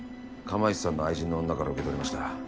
釜石さんの愛人の女から受け取りました。